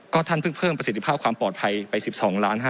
ก็ท่านเพิ่งประสิทธิภาพความปลอดภัยไป๑๒๕๐๐๐๐๐บาท